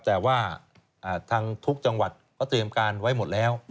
แต่ว่าทางทุกจังหวัดเขาเตรียมการไว้หมดแล้ว